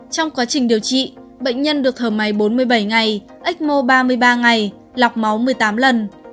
trong quá trình điều trị bệnh nhân được thở máy bốn mươi bảy ngày ecmo ba mươi ba ngày lọc máu một mươi tám lần